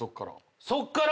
そっから。